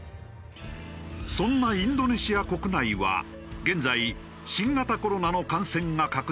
そんなインドネシア国内は現在新型コロナの感染が拡大。